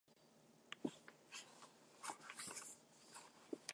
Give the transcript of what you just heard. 然らざれば、それは矛盾的自己同一的世界ではないのである。